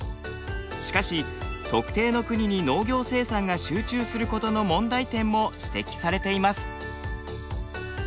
しかし特定の国に農業生産が集中することの問題点も指摘されています。